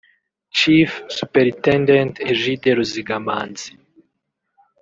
Chief Superintendent Egide Ruzigamanzi